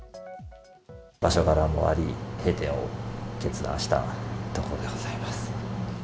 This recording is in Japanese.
場所柄もあり、閉店を決断したところでございます。